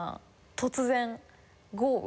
突然豪雨？